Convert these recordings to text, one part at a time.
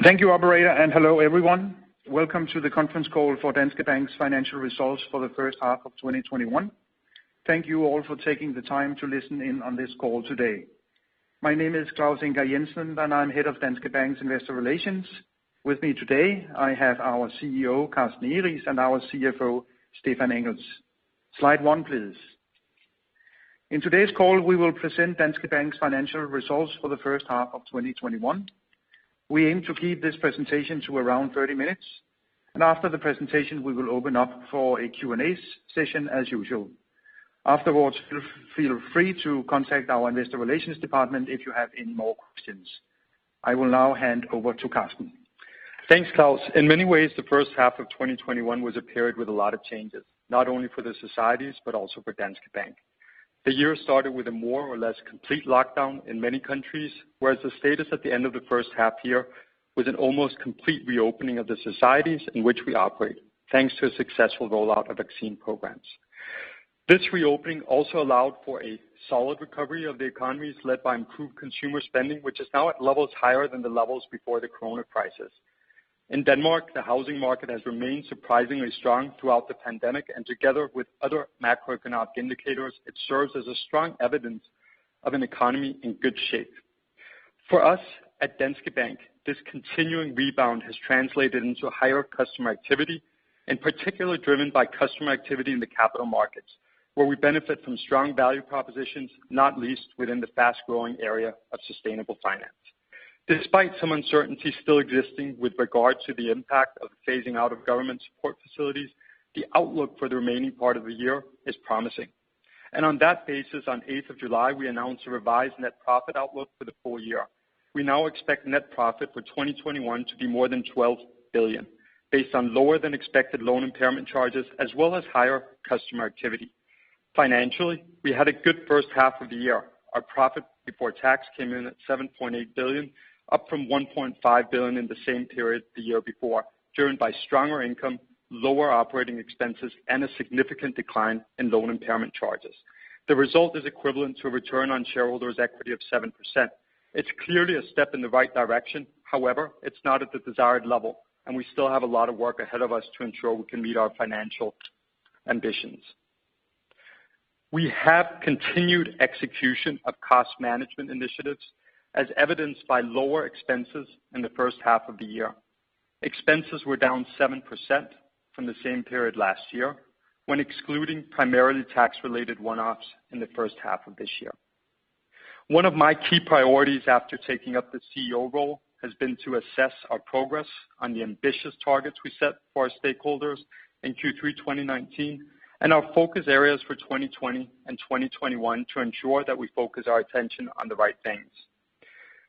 Thank you operator and hello everyone. Welcome to the conference call for Danske Bank's financial results for the first half of 2021. Thank you all for taking the time to listen in on this call today. My name is Claus Ingar Jensen, and I'm Head of Danske Bank's Investor Relations. With me today, I have our CEO, Carsten Egeriis, and our CFO, Stephan Engels. Slide one, please. In today's call, we will present Danske Bank's financial results for the first half of 2021. We aim to keep this presentation to around 30 minutes, and after the presentation, we will open up for a Q&A session as usual. Afterwards, feel free to contact our Investor Relations department if you have any more questions. I will now hand over to Carsten. Thanks, Claus. In many ways, the first half of 2021 was a period with a lot of changes, not only for the societies, but also for Danske Bank. The year started with a more or less complete lockdown in many countries, whereas the status at the end of the first half year was an almost complete reopening of the societies in which we operate, thanks to a successful rollout of vaccine programs. This reopening also allowed for a solid recovery of the economies led by improved consumer spending, which is now at levels higher than the levels before the corona crisis. In Denmark, the housing market has remained surprisingly strong throughout the pandemic, and together with other macroeconomic indicators, it serves as a strong evidence of an economy in good shape. For us at Danske Bank, this continuing rebound has translated into higher customer activity, in particular driven by customer activity in the capital markets, where we benefit from strong value propositions, not least within the fast-growing area of sustainable finance. Despite some uncertainty still existing with regard to the impact of the phasing out of government support facilities, the outlook for the remaining part of the year is promising. On that basis, on 8th of July, we announced a revised net profit outlook for the full year. We now expect net profit for 2021 to be more than 12 billion, based on lower than expected loan impairment charges, as well as higher customer activity. Financially, we had a good first half of the year. Our profit before tax came in at 7.8 billion, up from 1.5 billion in the same period the year before, driven by stronger income, lower operating expenses, and a significant decline in loan impairment charges. The result is equivalent to a return on shareholders' equity of 7%. It's clearly a step in the right direction. However, it's not at the desired level, and we still have a lot of work ahead of us to ensure we can meet our financial ambitions. We have continued execution of cost management initiatives, as evidenced by lower expenses in the first half of the year. Expenses were down 7% from the same period last year, when excluding primarily tax-related one-offs in the first half of this year. One of my key priorities after taking up the CEO role has been to assess our progress on the ambitious targets we set for our stakeholders in Q3 2019 and our focus areas for 2020 and 2021 to ensure that we focus our attention on the right things.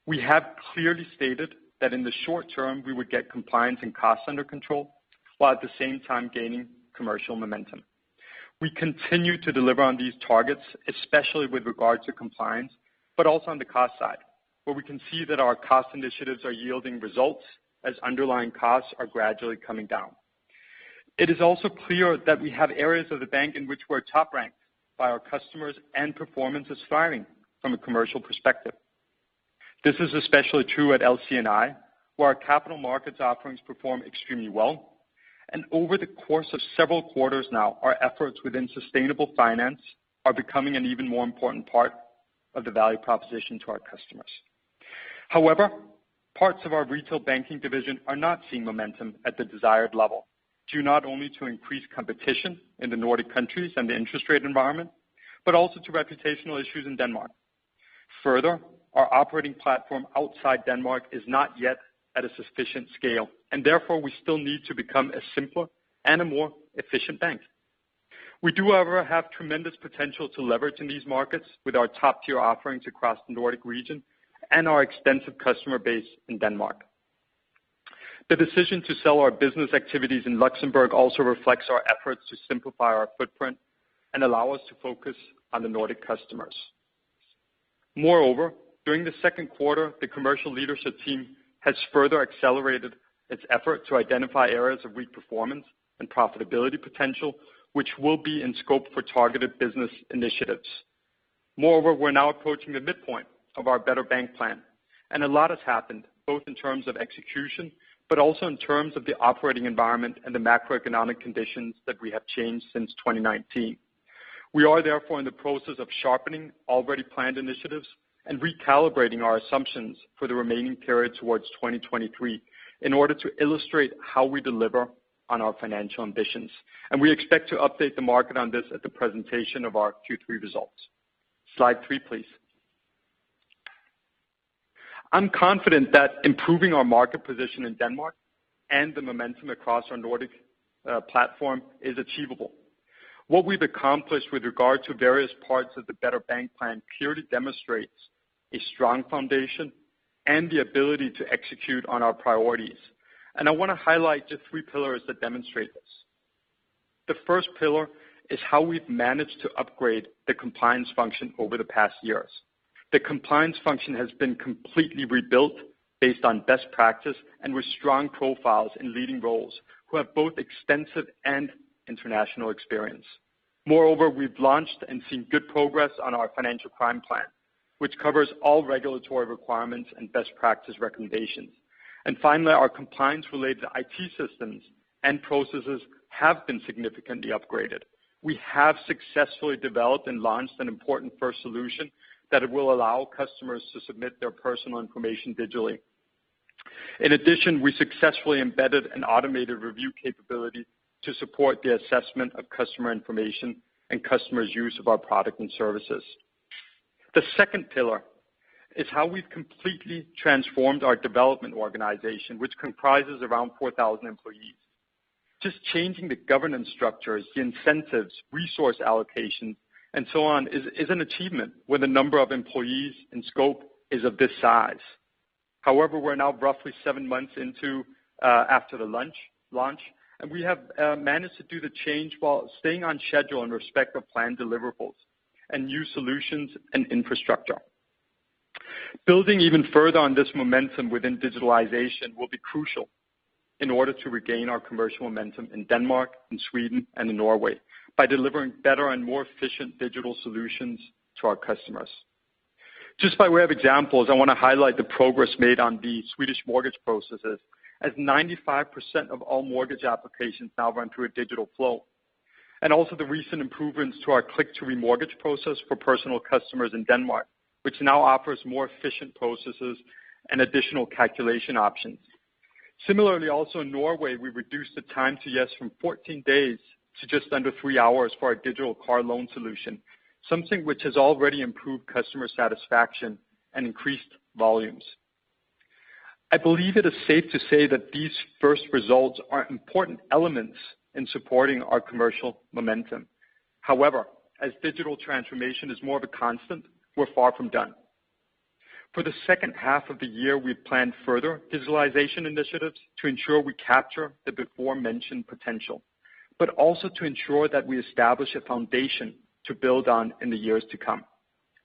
We have clearly stated that in the short term, we would get compliance and costs under control, while at the same time gaining commercial momentum. We continue to deliver on these targets, especially with regard to compliance, but also on the cost side, where we can see that our cost initiatives are yielding results as underlying costs are gradually coming down. It is also clear that we have areas of the bank in which we're top-ranked by our customers and performance is firing from a commercial perspective. This is especially true at LC&I, where our capital markets offerings perform extremely well. Over the course of several quarters now, our efforts within sustainable finance are becoming an even more important part of the value proposition to our customers. However, parts of our retail banking division are not seeing momentum at the desired level, due not only to increased competition in the Nordic countries and the interest rate environment, but also to reputational issues in Denmark. Further, our operating platform outside Denmark is not yet at a sufficient scale, and therefore we still need to become a simpler and a more efficient bank. We do, however, have tremendous potential to leverage in these markets with our top-tier offerings across the Nordic region and our extensive customer base in Denmark. The decision to sell our business activities in Luxembourg also reflects our efforts to simplify our footprint and allow us to focus on the Nordic customers. Moreover, during the Q2, the commercial leadership team has further accelerated its effort to identify areas of weak performance and profitability potential, which will be in scope for targeted business initiatives. Moreover, we're now approaching the midpoint of our Better Bank plan. A lot has happened, both in terms of execution, but also in terms of the operating environment and the macroeconomic conditions that we have changed since 2019. We are therefore in the process of sharpening already planned initiatives and recalibrating our assumptions for the remaining period towards 2023 in order to illustrate how we deliver on our financial ambitions. We expect to update the market on this at the presentation of our Q3 results. Slide three, please. I'm confident that improving our market position in Denmark and the momentum across our Nordic platform is achievable. What we've accomplished with regard to various parts of the Better Bank plan clearly demonstrates a strong foundation and the ability to execute on our priorities. I want to highlight the three pillars that demonstrate this. The first pillar is how we've managed to upgrade the compliance function over the past years. The compliance function has been completely rebuilt based on best practice and with strong profiles in leading roles who have both extensive and international experience. Moreover, we've launched and seen good progress on our Financial Crime Plan, which covers all regulatory requirements and best practice recommendations. Finally, our compliance-related IT systems and processes have been significantly upgraded. We have successfully developed and launched an important first solution that will allow customers to submit their personal information digitally. In addition, we successfully embedded an automated review capability to support the assessment of customer information and customers' use of our product and services. The second pillar is how we've completely transformed our development organization, which comprises around 4,000 employees. Just changing the governance structures, the incentives, resource allocation, and so on, is an achievement when the number of employees in scope is of this size. However, we're now roughly seven months into after the launch, and we have managed to do the change while staying on schedule in respect of planned deliverables and new solutions and infrastructure. Building even further on this momentum within digitalization will be crucial in order to regain our commercial momentum in Denmark, in Sweden, and in Norway by delivering better and more efficient digital solutions to our customers. Just by way of examples, I want to highlight the progress made on the Swedish mortgage processes, as 95% of all mortgage applications now run through a digital flow. Also the recent improvements to our click-to-remortgage process for Personal Customers Denmark, which now offers more efficient processes and additional calculation options. Similarly, also in Norway, we reduced the time to yes from 14 days to just under three hours for our digital car loan solution, something which has already improved customer satisfaction and increased volumes. I believe it is safe to say that these first results are important elements in supporting our commercial momentum. However, as digital transformation is more of a constant, we're far from done. For the second half of the year, we've planned further digitalization initiatives to ensure we capture the before-mentioned potential, but also to ensure that we establish a foundation to build on in the years to come.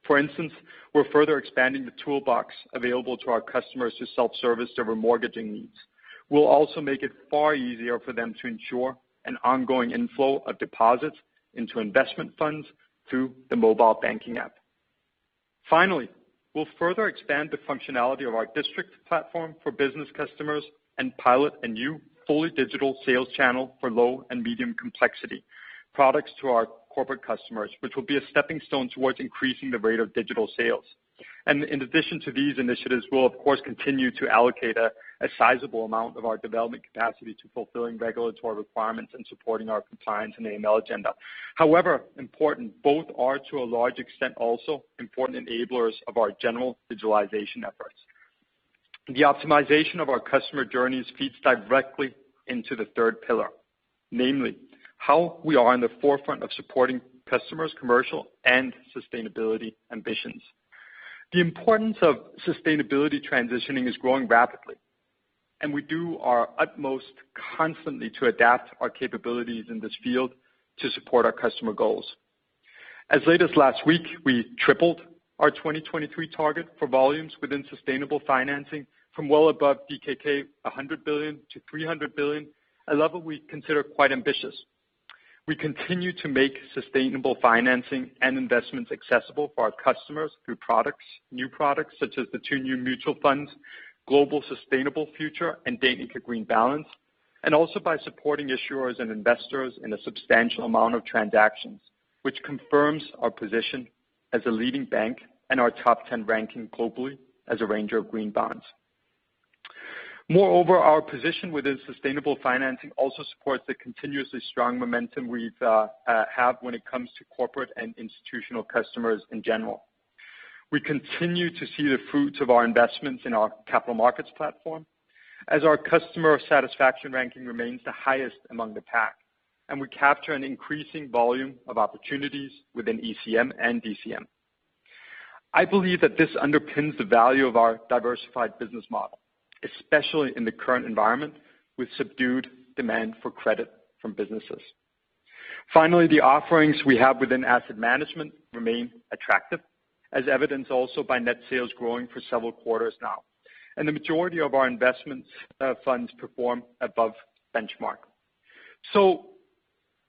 For instance, we're further expanding the toolbox available to our customers to self-service their remortgaging needs. We'll also make it far easier for them to ensure an ongoing inflow of deposits into investment funds through the mobile banking app. Finally, we'll further expand the functionality of our District platform for business customers and pilot a new fully digital sales channel for low and medium complexity products to our corporate customers, which will be a stepping stone towards increasing the rate of digital sales. In addition to these initiatives, we'll of course continue to allocate a sizable amount of our development capacity to fulfilling regulatory requirements and supporting our compliance and AML agenda. However important both are to a large extent also important enablers of our general digitalization efforts. The optimization of our customer journeys feeds directly into the third pillar, namely how we are in the forefront of supporting customers' commercial and sustainability ambitions. The importance of sustainability transitioning is growing rapidly, and we do our utmost constantly to adapt our capabilities in this field to support our customer goals. As late as last week, we tripled our 2023 target for volumes within sustainable financing from well above DKK 100 billion to 300 billion, a level we consider quite ambitious. We continue to make sustainable financing and investments accessible for our customers through new products such as the two new mutual funds, Global Sustainable Future and Danske Invest Green Balance, and also by supporting issuers and investors in a substantial amount of transactions, which confirms our position as a leading bank and our top 10 ranking globally as arranger of green bonds. Moreover, our position within sustainable financing also supports the continuously strong momentum we have when it comes to corporate and institutional customers in general. We continue to see the fruits of our investments in our capital markets platform, as our customer satisfaction ranking remains the highest among the pack, and we capture an increasing volume of opportunities within ECM and DCM. I believe that this underpins the value of our diversified business model, especially in the current environment with subdued demand for credit from businesses. Finally, the offerings we have within asset management remain attractive, as evidenced also by net sales growing for several quarters now. The majority of our investment funds perform above benchmark.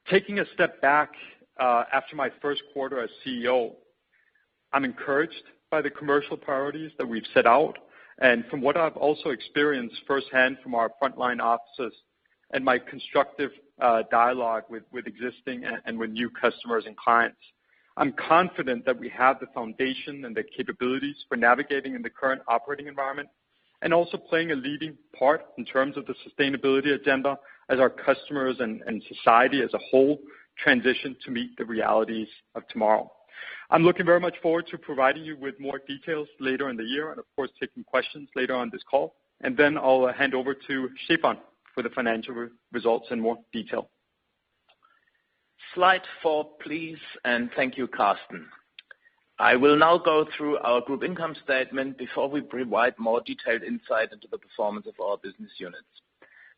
Taking a step back after my Q1 as CEO, I'm encouraged by the commercial priorities that we've set out and from what I've also experienced firsthand from our frontline offices and my constructive dialogue with existing and with new customers and clients. I'm confident that we have the foundation and the capabilities for navigating in the current operating environment, and also playing a leading part in terms of the sustainability agenda as our customers and society as a whole transition to meet the realities of tomorrow. I'm looking very much forward to providing you with more details later in the year and of course, taking questions later on this call. I'll hand over to Stephan for the financial results in more detail. Slide four, please, and thank you, Carsten. I will now go through our group income statement before we provide more detailed insight into the performance of our business units.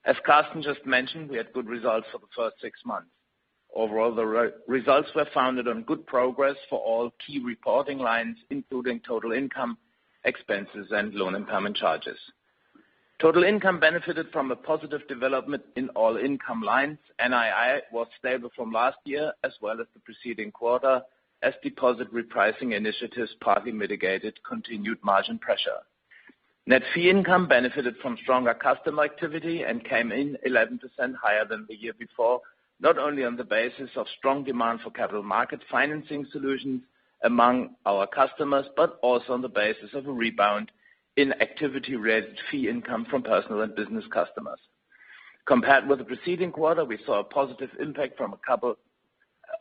As Carsten just mentioned, we had good results for the first six months. Overall, the results were founded on good progress for all key reporting lines, including total income, expenses, and loan impairment charges. Total income benefited from a positive development in all income lines. NII was stable from last year as well as the preceding quarter, as deposit repricing initiatives partly mitigated continued margin pressure. Net fee income benefited from stronger customer activity and came in 11% higher than the year before, not only on the basis of strong demand for capital market financing solutions among our customers, but also on the basis of a rebound in activity-related fee income from Personal & Business Customers. Compared with the preceding quarter, we saw a positive impact from a couple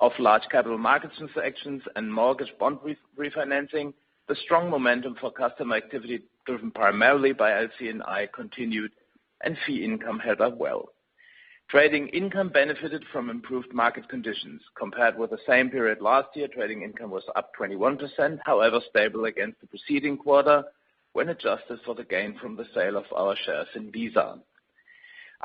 of large capital markets transactions and mortgage bond refinancing. The strong momentum for customer activity, driven primarily by LC&I, continued, and fee income held up well. Trading income benefited from improved market conditions. Compared with the same period last year, trading income was up 21%, however, stable against the preceding quarter when adjusted for the gain from the sale of our shares in Visa.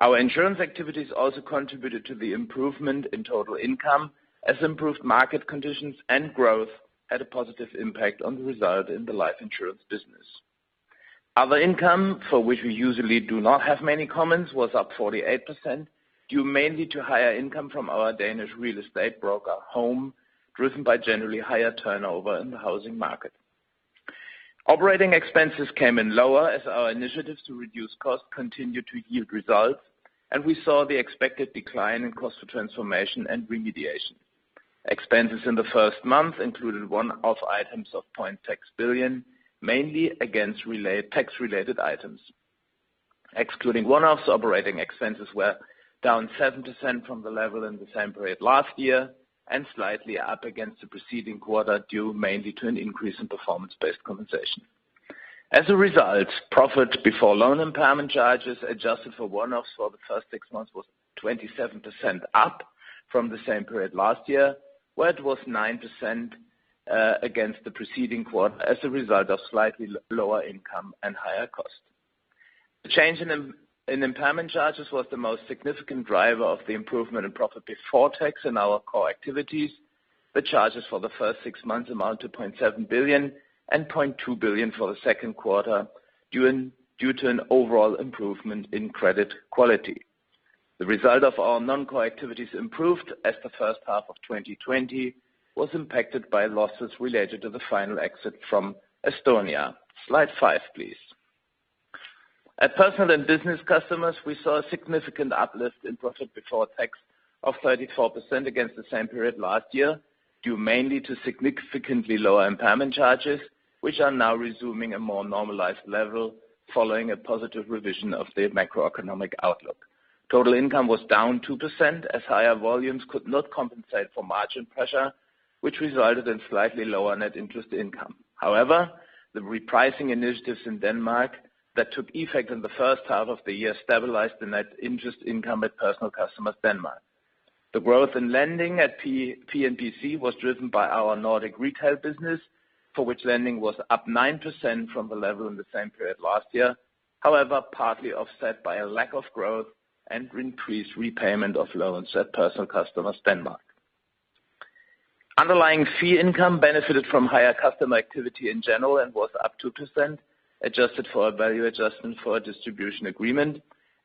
Our insurance activities also contributed to the improvement in total income, as improved market conditions and growth had a positive impact on the result in the life insurance business. Other income for which we usually do not have many comments was up 48%, due mainly to higher income from our Danish real estate broker home, driven by generally higher turnover in the housing market. Operating expenses came in lower as our initiatives to reduce costs continued to yield results, and we saw the expected decline in cost of transformation and remediation. Expenses in the first month included one-off items of 0.6 billion, mainly against tax-related items. Excluding one-offs, operating expenses were down 7% from the level in the same period last year, and slightly up against the preceding quarter, due mainly to an increase in performance-based compensation. As a result, profit before loan impairment charges adjusted for one-offs for the first six months was 27% up from the same period last year, where it was 9% against the preceding quarter as a result of slightly lower income and higher cost. The change in impairment charges was the most significant driver of the improvement in profit before tax in our core activities. The charges for the first six months amount to 0.7 billion and 0.2 billion for the Q2 due to an overall improvement in credit quality. The result of our non-core activities improved as the first half of 2020 was impacted by losses related to the final exit from Estonia. Slide five, please. At Personal and Business Customers, we saw a significant uplift in profit before tax of 34% against the same period last year, due mainly to significantly lower impairment charges, which are now resuming a more normalized level following a positive revision of the macroeconomic outlook. Total income was down 2% as higher volumes could not compensate for margin pressure, which resulted in slightly lower net interest income. The repricing initiatives in Denmark that took effect in the first half of the year stabilized the net interest income at Personal Customers Denmark. The growth in lending at PB&C was driven by our Nordic retail business, for which lending was up 9% from the level in the same period last year, however, partly offset by a lack of growth and increased repayment of loans at Personal Customers Denmark. Underlying fee income benefited from higher customer activity in general and was up 2%, adjusted for a value adjustment for a distribution agreement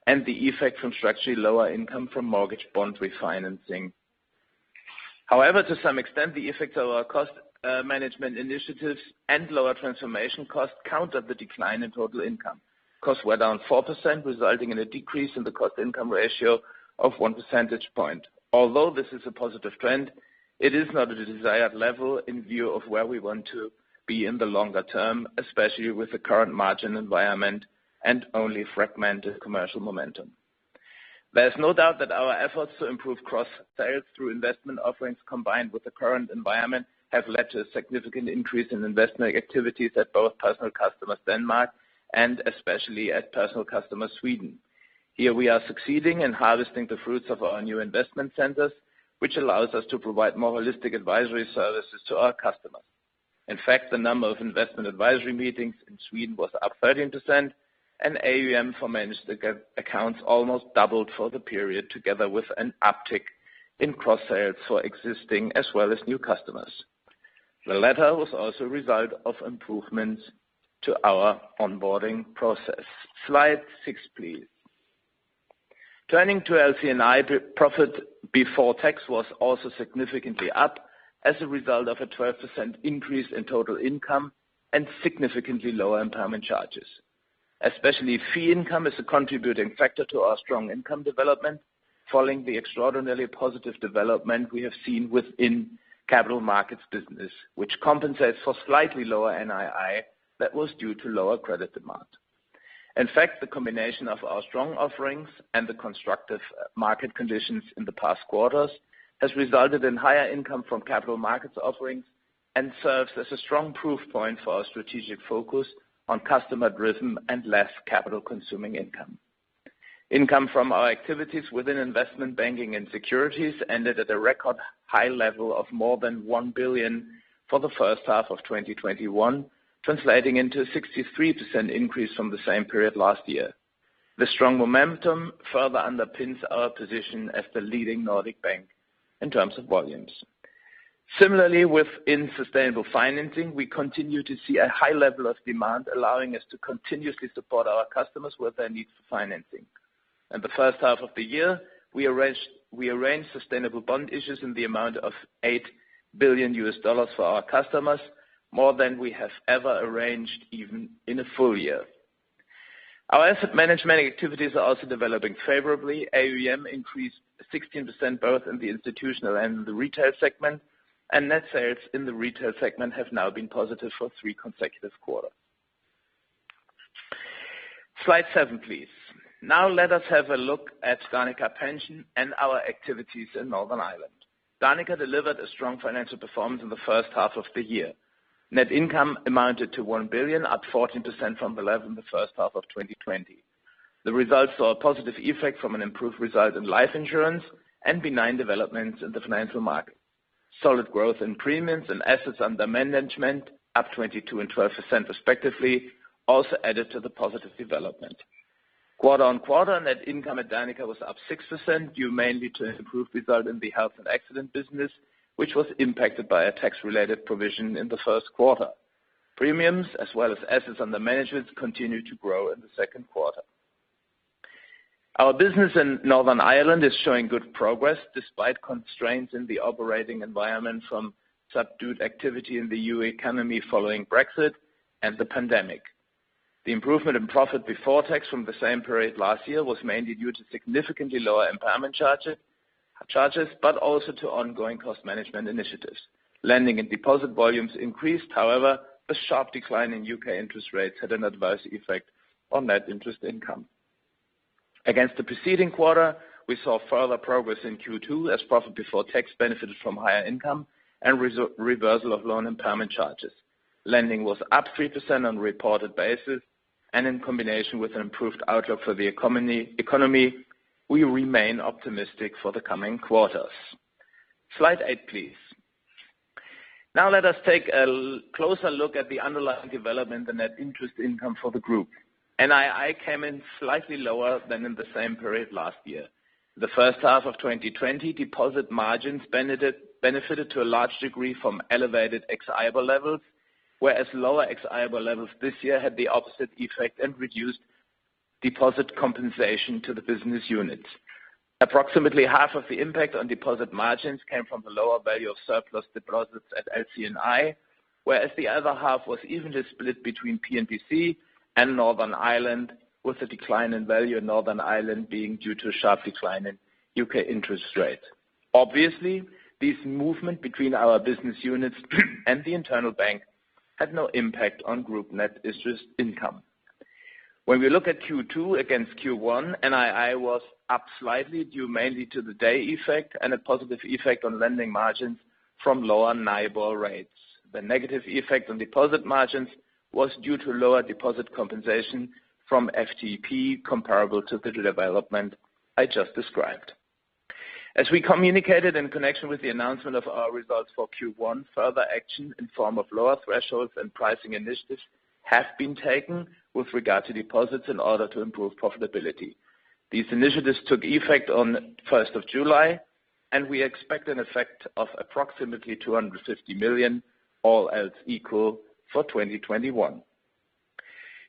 and the effect from structurally lower income from mortgage bond refinancing. To some extent, the effects of our cost management initiatives and lower transformation costs counter the decline in total income. Costs were down 4%, resulting in a decrease in the cost-income ratio of 1 percentage point. Although this is a positive trend, it is not at the desired level in view of where we want to be in the longer term, especially with the current margin environment and only fragmented commercial momentum. There is no doubt that our efforts to improve cross-sales through investment offerings combined with the current environment have led to a significant increase in investment activities at both Personal Customers Denmark and especially at Personal Customers Sweden. Here, we are succeeding in harvesting the fruits of our new investment centers, which allows us to provide more holistic advisory services to our customers. In fact, the number of investment advisory meetings in Sweden was up 13%, and AUM for managed accounts almost doubled for the period, together with an uptick in cross-sales for existing as well as new customers. The latter was also a result of improvements to our onboarding process. Slide six, please. Turning to LC&I, profit before tax was also significantly up as a result of a 12% increase in total income and significantly lower impairment charges. Especially fee income is a contributing factor to our strong income development, following the extraordinarily positive development we have seen within capital markets business, which compensates for slightly lower NII that was due to lower credit demand. The combination of our strong offerings and the constructive market conditions in the past quarters has resulted in higher income from capital markets offerings and serves as a strong proof point for our strategic focus on customer driven and less capital-consuming income. Income from our activities within investment banking and securities ended at a record high level of more than 1 billion for the first half of 2021, translating into a 63% increase from the same period last year. The strong momentum further underpins our position as the leading Nordic bank in terms of volumes. Similarly, within sustainable financing, we continue to see a high level of demand allowing us to continuously support our customers with their needs for financing. In the first half of the year, we arranged sustainable bond issues in the amount of $8 billion for our customers, more than we have ever arranged, even in a full year. Our asset management activities are also developing favorably. AUM increased 16%, both in the institutional and the retail segment, and net sales in the retail segment have now been positive for three consecutive quarters. Slide seven, please. Let us have a look at Danica Pension and our activities in Northern Ireland. Danica delivered a strong financial performance in the first half of the year. Net income amounted to 1 billion, up 14% from 11% the first half of 2020. The results saw a positive effect from an improved result in life insurance and benign developments in the financial market. Solid growth in premiums and assets under management up 22% and 12% respectively also added to the positive development. Quarter-on-quarter, net income at Danica was up 6% due mainly to improved result in the health and accident business, which was impacted by a tax-related provision in the Q1. Premiums as well as assets under management continued to grow in the Q2. Our business in Northern Ireland is showing good progress despite constraints in the operating environment from subdued activity in the EU economy following Brexit and the pandemic. The improvement in profit before tax from the same period last year was mainly due to significantly lower impairment charges, but also to ongoing cost management initiatives. Lending and deposit volumes increased, however, a sharp decline in U.K. interest rates had an adverse effect on net interest income. Against the preceding quarter, we saw further progress in Q2 as profit before tax benefited from higher income and reversal of loan impairment charges. Lending was up 3% on reported basis and in combination with an improved outlook for the economy, we remain optimistic for the coming quarters. Slide eight, please. Now let us take a closer look at the underlying development and net interest income for the group. NII came in slightly lower than in the same period last year. The first half of 2020 deposit margins benefited to a large degree from elevated ex-IBOR levels, whereas lower ex-IBOR levels this year had the opposite effect and reduced deposit compensation to the business units. Approximately half of the impact on deposit margins came from the lower value of surplus deposits at LC&I, whereas the other half was evenly split between PB&C and Northern Ireland, with the decline in value in Northern Ireland being due to a sharp decline in U.K. interest rates. This movement between our business units and the internal bank had no impact on group net interest income. When we look at Q2 against Q1, NII was up slightly due mainly to the day effect and a positive effect on lending margins from lower NIBOR rates. The negative effect on deposit margins was due to lower deposit compensation from FTP comparable to the development I just described. As we communicated in connection with the announcement of our results for Q1, further action in form of lower thresholds and pricing initiatives have been taken with regard to deposits in order to improve profitability. These initiatives took effect on 1st of July, and we expect an effect of approximately 250 million all else equal for 2021.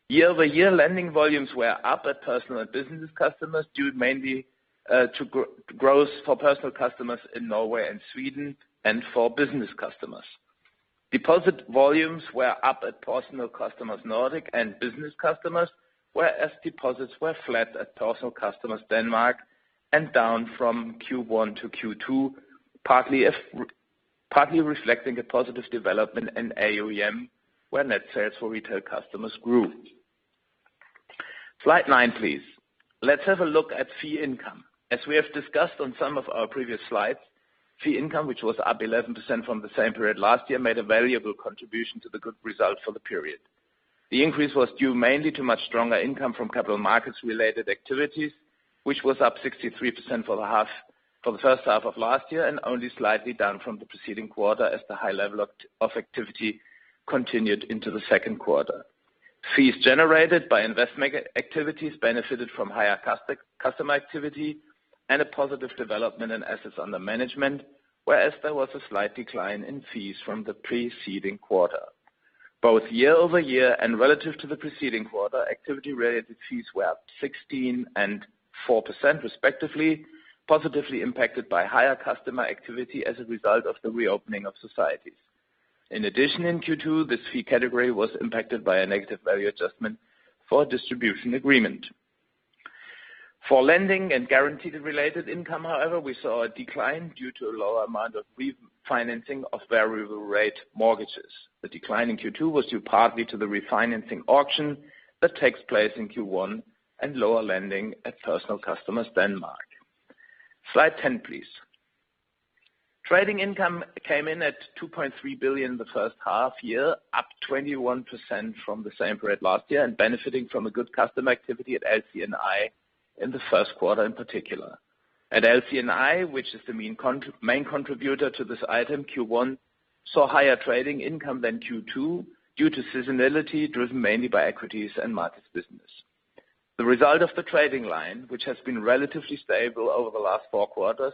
Year-over-year, lending volumes were up at personal and business customers, due mainly to growth for personal customers in Norway and Sweden and for business customers. Deposit volumes were up at Personal Customers Nordic and business customers, whereas deposits were flat at Personal Customers Denmark and down from Q1 to Q2, partly reflecting a positive development in AUM, where net sales for retail customers grew. Slide nine, please. Let's have a look at fee income. As we have discussed on some of our previous slides, fee income, which was up 11% from the same period last year, made a valuable contribution to the good result for the period. The increase was due mainly to much stronger income from capital markets-related activities, which was up 63% for the first half of last year and only slightly down from the preceding quarter as the high level of activity continued into the Q2. Fees generated by investment activities benefited from higher customer activity and a positive development in assets under management, whereas there was a slight decline in fees from the preceding quarter. Both year-over-year and relative to the preceding quarter, activity-related fees were up 16% and 4% respectively, positively impacted by higher customer activity as a result of the reopening of societies. In addition, in Q2, this fee category was impacted by a negative value adjustment for a distribution agreement. For lending and guarantee-related income, however, we saw a decline due to a lower amount of refinancing of variable rate mortgages. The decline in Q2 was due partly to the refinancing auction that takes place in Q1 and lower lending at Personal Customers Denmark. Slide 10, please. Trading income came in at 2.3 billion in the first half year, up 21% from the same period last year, and benefiting from a good customer activity at LC&I in the Q1 in particular. At LC&I, which is the main contributor to this item, Q1 saw higher trading income than Q2 due to seasonality driven mainly by equities and markets business. The result of the trading line, which has been relatively stable over the last four quarters,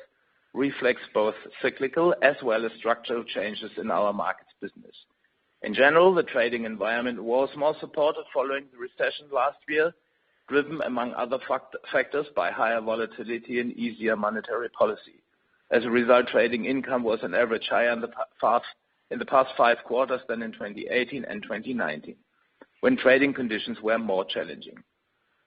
reflects both cyclical as well as structural changes in our markets business. In general, the trading environment was more supportive following the recession last year, driven among other factors by higher volatility and easier monetary policy. As a result, trading income was on average higher in the past five quarters than in 2018 and 2019, when trading conditions were more challenging.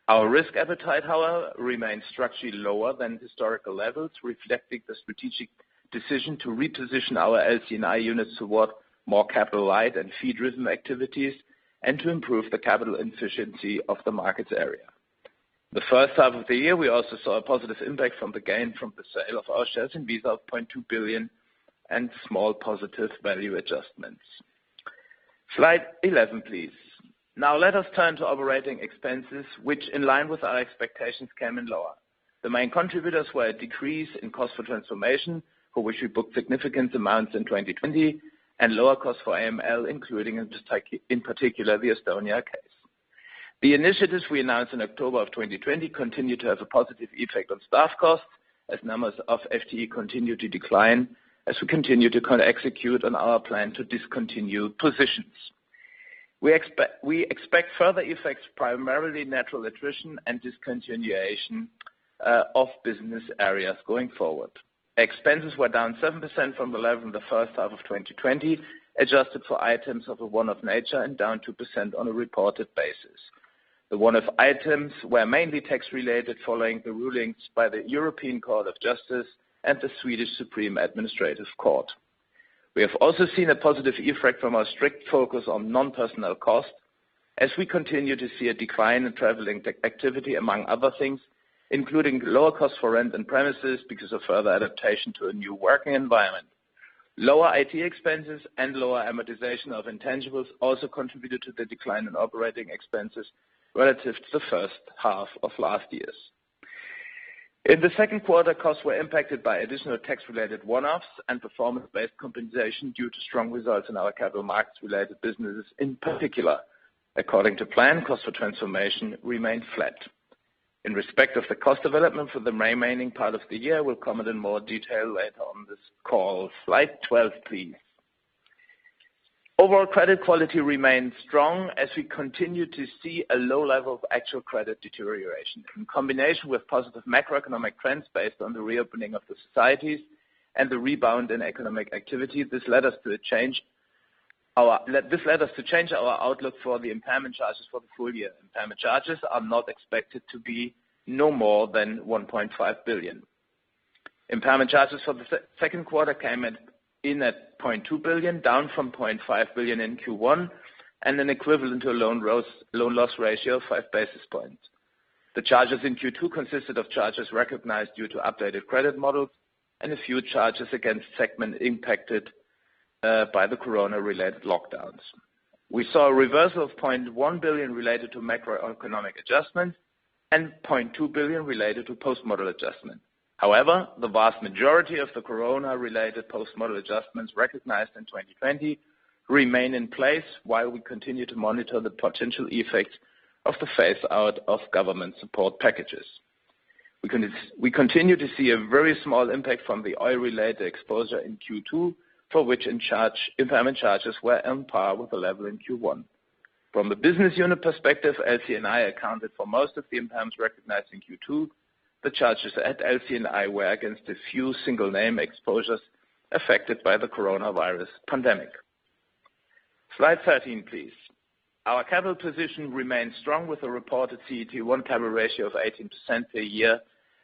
Our risk appetite, however, remains structurally lower than historical levels, reflecting the strategic decision to reposition our LC&I units toward more capital light and fee-driven activities, and to improve the capital efficiency of the markets area. The first half of the year, we also saw a positive impact from the gain from the sale of our shares in Visa of $0.2 billion and small positive value adjustments. Slide 11, please. Now let us turn to operating expenses, which in line with our expectations, came in lower. The main contributors were a decrease in cost for transformation, for which we booked significant amounts in 2020, and lower cost for AML, including, in particular, the Estonia case. The initiatives we announced in October of 2020 continue to have a positive effect on staff costs, as numbers of FTE continue to decline, as we continue to execute on our plan to discontinue positions. We expect further effects, primarily natural attrition and discontinuation of business areas going forward. Expenses were down 7% from the level in the first half of 2020, adjusted for items of a one-off nature and down 2% on a reported basis. The one-off items were mainly tax-related, following the rulings by the European Court of Justice and the Swedish Supreme Administrative Court. We have also seen a positive effect from our strict focus on non-personnel costs, as we continue to see a decline in traveling activity, among other things, including lower cost for rent and premises because of further adaptation to a new working environment. Lower IT expenses and lower amortization of intangibles also contributed to the decline in operating expenses relative to the first half of last year. In the Q2, costs were impacted by additional tax-related one-offs and performance-based compensation due to strong results in our capital markets related businesses. In particular, according to plan, cost for transformation remained flat. In respect of the cost development for the remaining part of the year, we'll comment in more detail later on this call. Slide 12, please. Overall credit quality remains strong as we continue to see a low level of actual credit deterioration. In combination with positive macroeconomic trends based on the reopening of the societies and the rebound in economic activity, this led us to change our outlook for the impairment charges for the full year. Impairment charges are not expected to be no more than 1.5 billion. Impairment charges for the Q2 came in at 0.2 billion, down from 0.5 billion in Q1, and an equivalent to a loan loss ratio of 5 basis points. The charges in Q2 consisted of charges recognized due to updated credit models and a few charges against segment impacted by the corona-related lockdowns. We saw a reversal of 0.1 billion related to macroeconomic adjustments and 0.2 billion related to post-model adjustment. The vast majority of the corona-related post-model adjustments recognized in 2020 remain in place while we continue to monitor the potential effect of the phaseout of government support packages. We continue to see a very small impact from the oil-related exposure in Q2, for which impairment charges were on par with the level in Q1. From the business unit perspective, LC&I accounted for most of the impairments recognized in Q2. The charges at LC&I were against a few single name exposures affected by the coronavirus pandemic. Slide 13, please. Our capital position remains strong with a reported CET1 capital ratio of 18%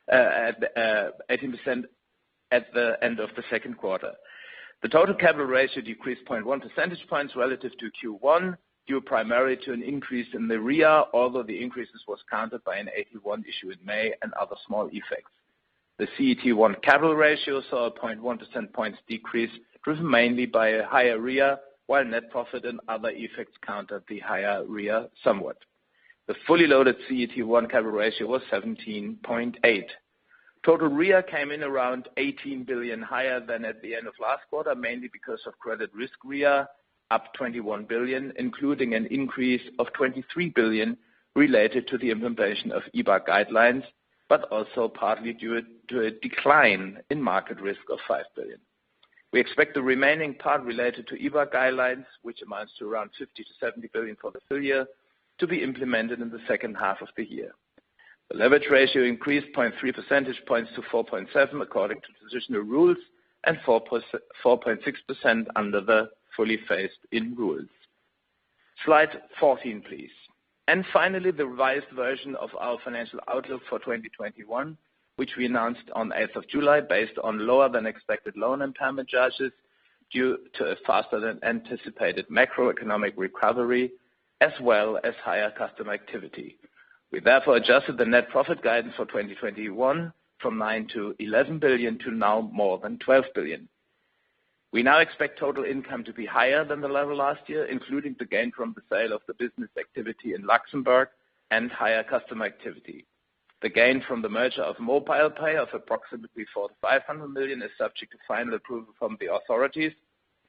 at the end of the Q2. The total capital ratio decreased 0.1 percentage points relative to Q1, due primarily to an increase in the REA, although the increases was countered by an AT1 issue in May and other small effects. The CET1 capital ratio saw a 0.1 percentage points decrease, driven mainly by a higher REA, while net profit and other effects countered the higher REA somewhat. The fully loaded CET1 capital ratio was 17.8%. Total REA came in around 18 billion higher than at the end of last quarter, mainly because of credit risk REA up 21 billion, including an increase of 23 billion related to the implementation of EBA guidelines, also partly due to a decline in market risk of 5 billion. We expect the remaining part related to EBA guidelines, which amounts to around 50 billion-70 billion for the full year, to be implemented in the second half of the year. The leverage ratio increased 0.3 percentage points to 4.7 according to transitional rules and 4.6% under the fully phased-in rules. Slide 14, please. Finally, the revised version of our financial outlook for 2021, which we announced on 8th of July, based on lower than expected loan impairment charges due to a faster than anticipated macroeconomic recovery, as well as higher customer activity. We therefore adjusted the net profit guidance for 2021 from 9 billion-11 billion to now more than 12 billion. We now expect total income to be higher than the level last year, including the gain from the sale of the business activity in Luxembourg and higher customer activity. The gain from the merger of MobilePay of approximately 500 million is subject to final approval from the authorities.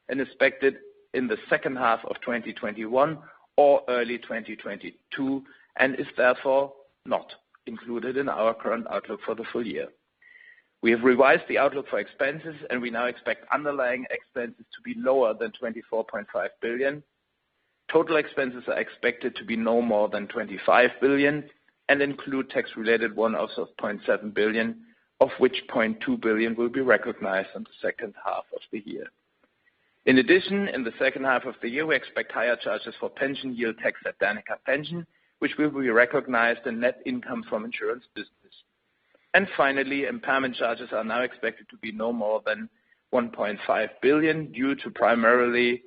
Expected in the second half of 2021 or early 2022, and is therefore not included in our current outlook for the full year. We have revised the outlook for expenses, and we now expect underlying expenses to be lower than 24.5 billion. Total expenses are expected to be no more than 25 billion, and include tax-related one-offs of 0.7 billion, of which 0.2 billion will be recognized in the second half of the year. In addition, in the second half of the year, we expect higher charges for pension yield tax at Danica Pension, which will be recognized in net income from insurance business. Finally, impairment charges are now expected to be no more than 1.5 billion due to primarily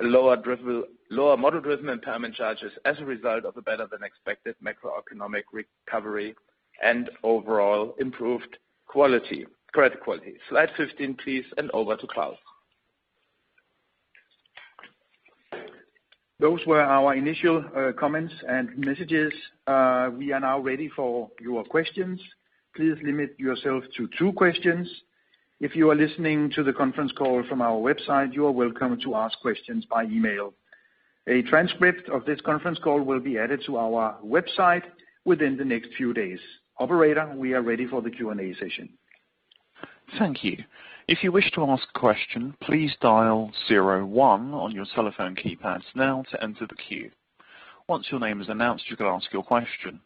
lower model-driven impairment charges as a result of a better-than-expected macroeconomic recovery and overall improved credit quality. Slide 15, please, and over to Claus. Those were our initial comments and messages. We are now ready for your questions. Please limit yourself to two questions. If you are listening to the conference call from our website, you are welcome to ask questions by email. A transcript of this conference call will be added to our website within the next few days. Operator, we are ready for the Q&A session. Thank you. If you wish to ask a question, please dial zero one on your telephone keypard now to enter the queue. Once your name is announced, you can ask your question.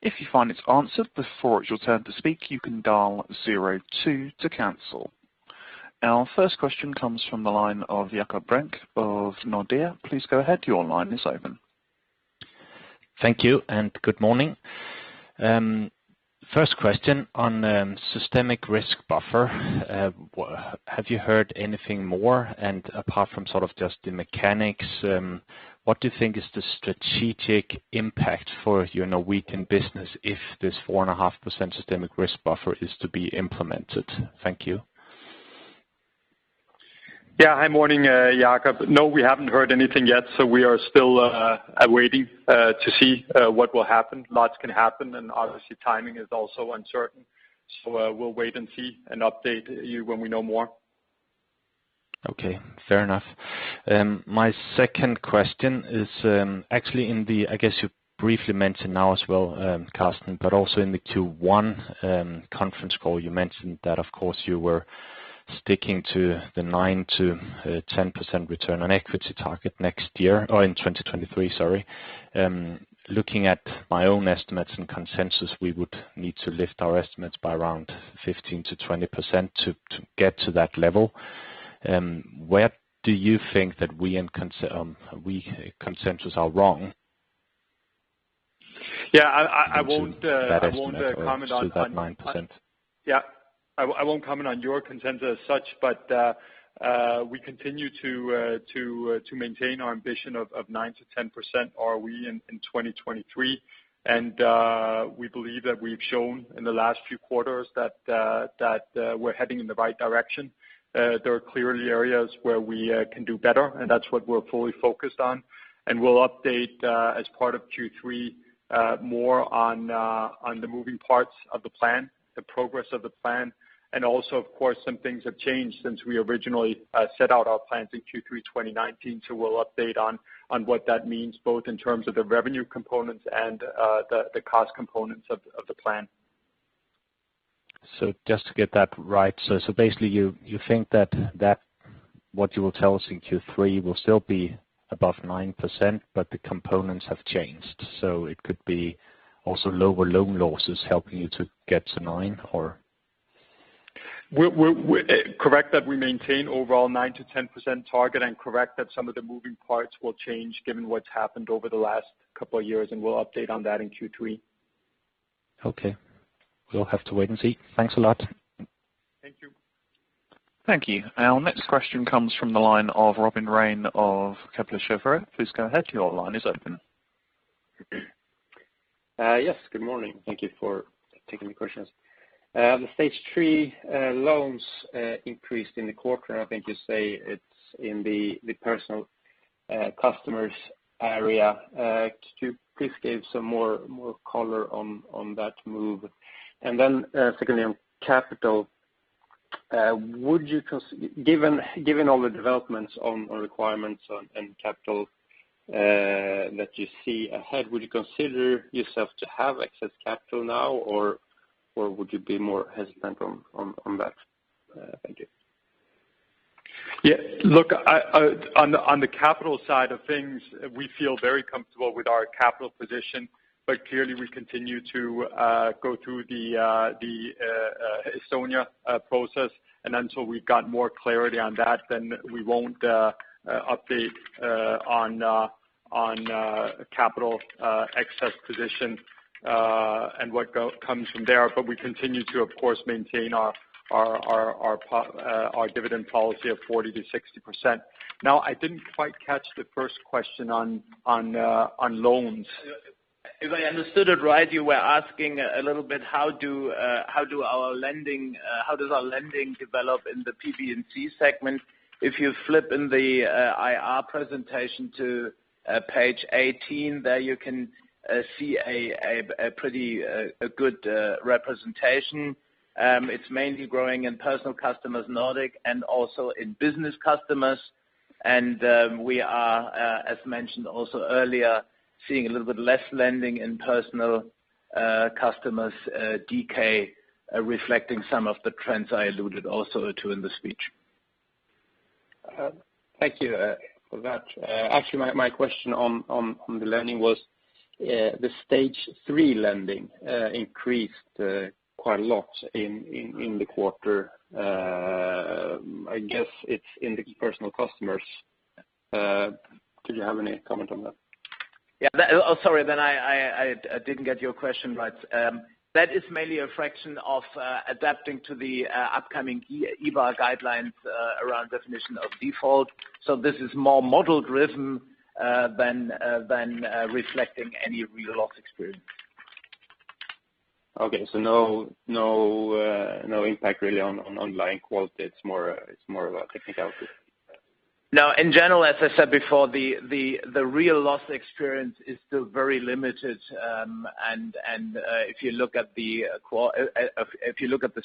If you find it has been answered before your time to speak, you can dial zero two to cancel. Our first question comes from the line of Jakob Brink of Nordea. Please go ahead. Your line is open. Thank you, and good morning. First question on systemic risk buffer. Have you heard anything more? Apart from just the mechanics, what do you think is the strategic impact for you in a weakened business if this 4.5% systemic risk buffer is to be implemented? Thank you. Yeah. Hi morning, Jakob. No, we haven't heard anything yet, so we are still waiting to see what will happen. Lots can happen, and obviously timing is also uncertain. We'll wait and see and update you when we know more. Okay, fair enough. My second question is actually in the, I guess you briefly mentioned now as well, Carsten, but also in the Q1 conference call, you mentioned that of course you were sticking to the 9%-10% return on equity target next year, or in 2023, sorry. Looking at my own estimates and consensus, we would need to lift our estimates by around 15%-20% to get to that level. Where do you think that we consensus are wrong? Yeah. Into that estimate or still that 9%. Yeah. I won't comment on your consensus as such, but we continue to maintain our ambition of 9%-10% ROE in 2023. We believe that we've shown in the last few quarters that we're heading in the right direction. There are clearly areas where we can do better, and that's what we're fully focused on. We'll update as part of Q3 more on the moving parts of the plan, the progress of the plan, and also of course some things have changed since we originally set out our plans in Q3 2019. We'll update on what that means, both in terms of the revenue components and the cost components of the plan. Just to get that right, so basically you think that what you will tell us in Q3 will still be above 9%, but the components have changed. It could be also lower loan losses helping you to get to 9, or? Correct that we maintain overall 9%-10% target, and correct that some of the moving parts will change given what's happened over the last couple of years, and we'll update on that in Q3. Okay. We'll have to wait and see. Thanks a lot. Thank you. Thank you. Our next question comes from the line of Robin Rane of Kepler Cheuvreux. Please go ahead. Your line is open. Yes, good morning. Thank you for taking the questions. The stage 3 loans increased in the quarter. I think you say it's in the Personal Customers area. Could you please give some more color on that move? Secondly on capital, given all the developments on requirements and capital that you see ahead, would you consider yourself to have excess capital now, or would you be more hesitant on that? Thank you. Yeah, look, on the capital side of things, we feel very comfortable with our capital position, but clearly we continue to go through the Estonia process. Until we've got more clarity on that, we won't update on capital excess position and what comes from there. We continue to, of course, maintain our dividend policy of 40%-60%. Now, I didn't quite catch the first question on loans. If I understood it right, you were asking a little bit how does our lending develop in the PB&C segment. If you flip in the IR presentation to page 18, there you can see a pretty good representation. It's mainly growing in Personal Customers Nordic and also in Business Customers. We are, as mentioned also earlier, seeing a little bit less lending in Personal Customers DK, reflecting some of the trends I alluded also to in the speech. Thank you for that. Actually, my question on the lending was the stage 3 lending increased quite a lot in the quarter. I guess it's in the personal customers. Do you have any comment on that? Yeah. Oh, sorry. I didn't get your question right. That is mainly a fraction of adapting to the upcoming EBA guidelines around definition of default. This is more model-driven than reflecting any real loss experience. No impact really on underlying quality? It's more of a technicality? No. In general, as I said before, the real loss experience is still very limited. If you look at the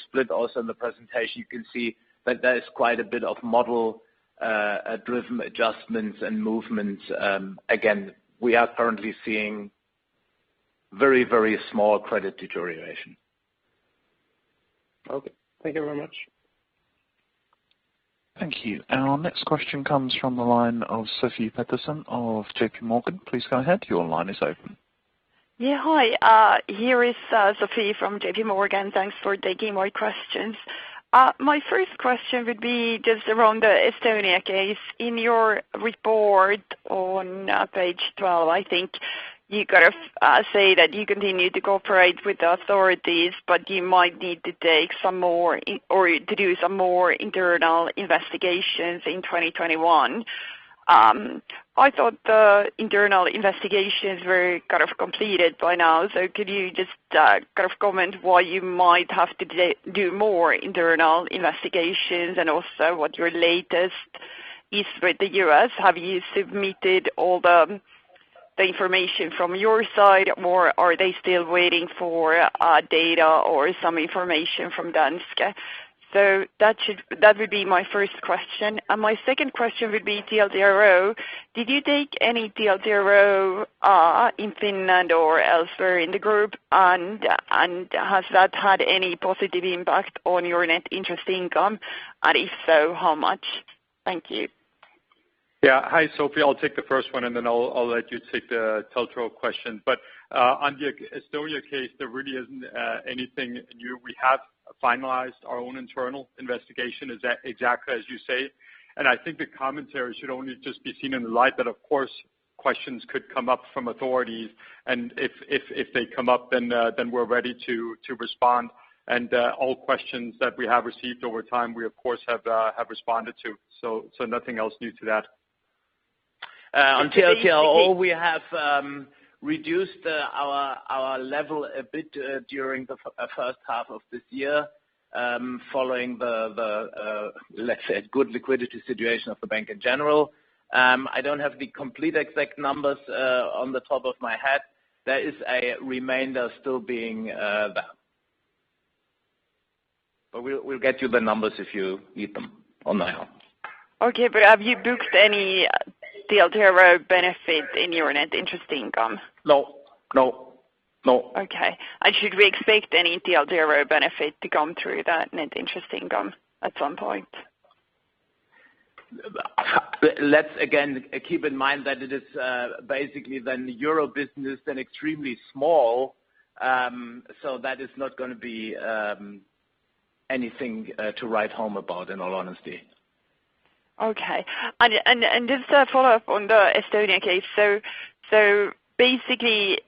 split also in the presentation, you can see that there is quite a bit of model-driven adjustments and movements. Again, we are currently seeing very, very small credit deterioration. Okay. Thank you very much. Thank you. Our next question comes from the line of Sofie Peterzéns of JPMorgan. Yeah. Hi. Here is Sofie from JPMorgan. Thanks for taking my questions. My first question would be just around the Estonia case. In your report on page 12, I think you say that you continue to cooperate with the authorities, but you might need to do some more internal investigations in 2021. I thought the internal investigations were completed by now. Could you just comment why you might have to do more internal investigations, and also what your latest is with the U.S.? Have you submitted all the information from your side, or are they still waiting for data or some information from Danske? That would be my first question. My second question would be TLTRO. Did you take any TLTRO in Finland or elsewhere in the group? Has that had any positive impact on your net interest income? If so, how much? Thank you. Yeah. Hi, Sofie. I'll take the first one, and then I'll let you take the TLTRO question. On the Estonia case, there really isn't anything new. We have finalized our own internal investigation, exactly as you say, and I think the commentary should only just be seen in the light that, of course, questions could come up from authorities, and if they come up, then we're ready to respond. All questions that we have received over time, we of course, have responded to, so nothing else new to that. On TLTRO, we have reduced our level a bit during the first half of this year following the, let's say, good liquidity situation of Danske Bank in general. I don't have the complete exact numbers on the top of my head. There is a remainder still being bound. We'll get you the numbers if you need them on that. Okay. Have you booked any TLTRO benefit in your net interest income? No. Okay. Should we expect any TLTRO benefit to come through that net interest income at some point? Let's, again, keep in mind that it is basically the Euro business and extremely small, so that is not going to be anything to write home about, in all honesty. Okay. Just a follow-up on the Estonia case. Basically,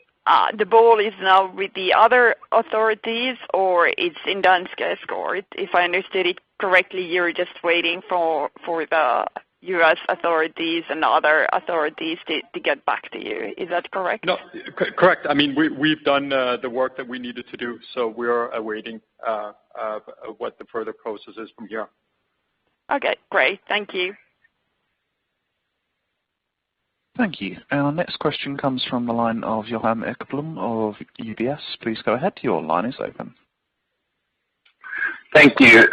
the ball is now with the other authorities, or it's in Danske's court? If I understood it correctly, you're just waiting for the U.S. authorities and other authorities to get back to you. Is that correct? No. Correct. We've done the work that we needed to do, we are awaiting what the further process is from here. Okay, great. Thank you. Thank you. Our next question comes from the line of Johan Ekblom of UBS. Please go ahead. Your line is open. Thank you.